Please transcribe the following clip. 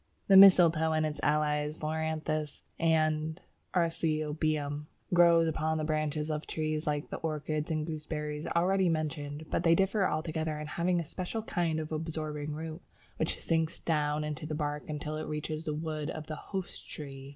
The Mistletoe and its allies, Loranthus and Arceuthobium, grow upon the branches of trees like the orchids and gooseberries already mentioned, but they differ altogether in having a special kind of absorbing root which sinks down into the bark until it reaches the wood of the "host" tree.